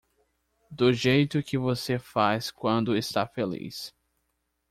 Do jeito que você faz quando está feliz.